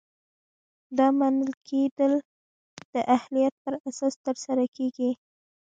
دا منل کیدل د اهلیت په اساس ترسره کیږي.